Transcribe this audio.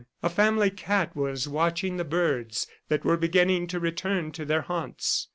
A family cat was watching the birds that were beginning to return to their haunts.